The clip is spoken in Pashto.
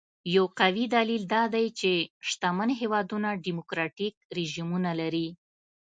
یو قوي دلیل دا دی چې شتمن هېوادونه ډیموکراټیک رژیمونه لري.